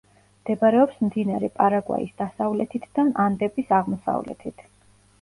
მდებარეობს მდინარე პარაგვაის დასავლეთით და ანდების აღმოსავლეთით.